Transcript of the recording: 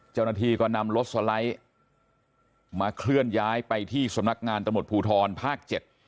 เจ้าหน้าที่ก็นำรถสไลด์มาเคลื่อนย้ายไปที่สำนักงานตำรวจภูทรภาคเจ็ด